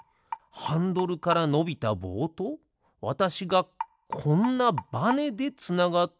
ハンドルからのびたぼうとわたしがこんなバネでつながっているだけ？